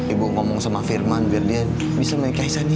ibu ngomong sama firman biar dia bisa menikahi sania